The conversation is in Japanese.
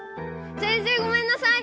先生ごめんなさい！